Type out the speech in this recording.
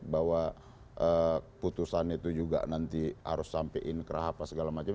bahwa putusan itu juga nanti harus sampein ke raha apa segala macam